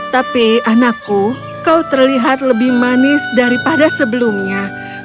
tapi anakku kau terlihat lebih manis daripada sebelumnya